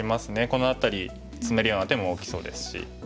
この辺りツメるような手も大きそうですし。